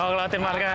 oh melewatin markah